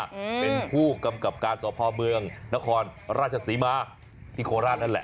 อืมเป็นผู้กำกับการสพเมืองนครราชศรีมาที่โคราชนั่นแหละ